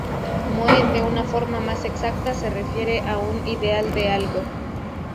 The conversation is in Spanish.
Moe de una forma más exacta se refiere a un ideal de algo.